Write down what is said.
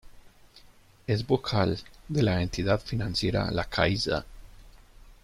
Es vocal de la entidad financiera La Caixa.